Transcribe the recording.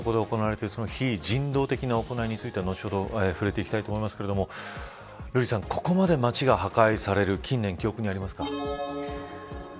ここで行われている非人道的な行いについては後ほど触れていきたいと思いますがここまで町が破壊される近年、記憶にありますか。